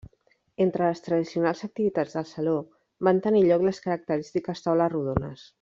Entre les tradicionals activitats del Saló, van tenir lloc les característiques taules rodones.